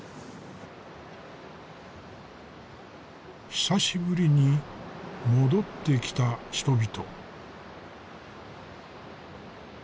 久しぶりに戻ってきた人々。